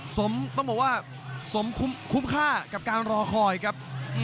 ต้องบอกว่าสมคุ้มค่ากับการรอคอยครับ